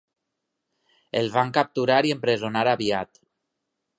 El van capturar i empresonar aviat.